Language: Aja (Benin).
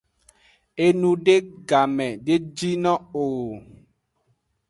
Enude game de jino o.